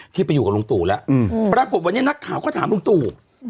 ไปอยู่กับลุงตู่แล้วปรากฏวันนี้นักข่าวก็ถามลุงตู่